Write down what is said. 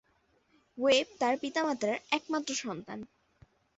Web তার পিতামাতার একমাত্র সন্তান।